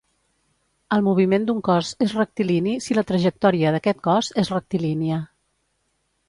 El moviment d'un cos és rectilini si la trajectòria d'aquest cos és rectilínia.